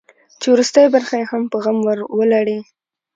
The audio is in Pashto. چې وروستۍ برخه یې په غم ور ولړي.